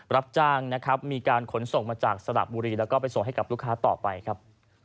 รับจ้างนะครับมีการขนส่งมาจากสระบุรีแล้วก็ไปส่งให้กับลูกค้าต่อไปครับ